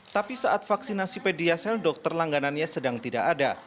tapi saat vaksinasi pediasel dokter langganannya sedang tidak ada